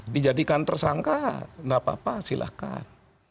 dijadikan tersangka tidak apa apa silahkan